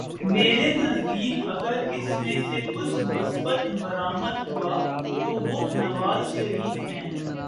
میرے نزدیک اگر اس میں سے کچھ مثبت برآمد ہوا تو وہ نواز شریف ہیں۔